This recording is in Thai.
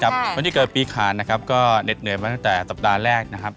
คนที่เกิดปีขานนะครับก็เหน็ดเหนื่อยมาตั้งแต่สัปดาห์แรกนะครับ